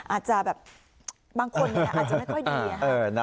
อาจจะแบบบางคนอาจจะไม่ค่อยดี